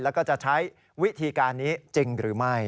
แล้วก็จะใช้วิธีการนี้จริงหรือไม่